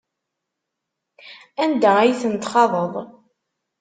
Anda ay ten-txaḍeḍ?